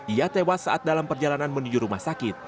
ia tewas saat dalam perjalanan menuju rumah sakit